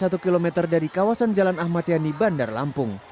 jalan sehat berada di kawasan jalan ahmad yani bandar lampung